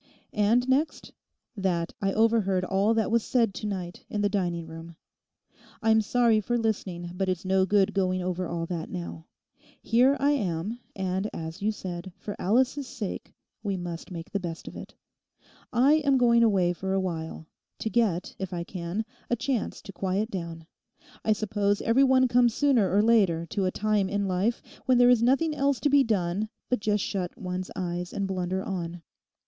And next: that I overheard all that was said to night in the dining room. 'I'm sorry for listening; but it's no good going over all that now. Here I am, and, as you said, for Alice's sake we must make the best of it. I am going away for a while, to get, if I can, a chance to quiet down. I suppose every one comes sooner or later to a time in life when there is nothing else to be done but just shut one's eyes and blunder on.